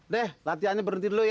deh latihannya berhenti dulu ya